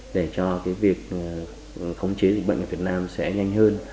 để cho việc khống chế dịch bệnh ở việt nam sẽ nhanh hơn